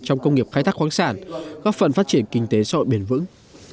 trong công nghiệp khai thác khoáng sản góp phần phát triển kinh tế sội bền vững